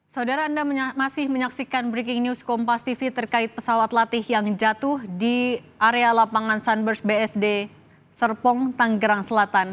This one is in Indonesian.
saudara anda masih menyaksikan breaking news kompas tv terkait pesawat latih yang jatuh di area lapangan sunburst bsd serpong tanggerang selatan